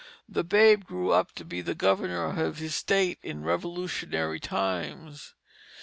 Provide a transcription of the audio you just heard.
The babe grew up to be the governor of his state in Revolutionary times.